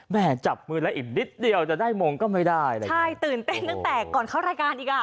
จับมือแล้วอีกนิดเดียวจะได้มงก็ไม่ได้เลยใช่ตื่นเต้นตั้งแต่ก่อนเข้ารายการอีกอ่ะ